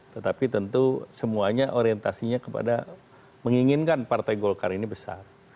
tetapi tentu semuanya orientasinya kepada menginginkan partai golkar ini besar